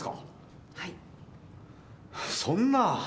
そんな。